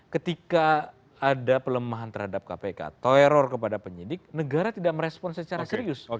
ketika ada pelemahan terhadap kpk atau error kepada penyidik negara tidak merespon secara serius